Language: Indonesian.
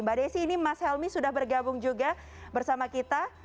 mbak desi ini mas helmi sudah bergabung juga bersama kita